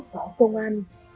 có công an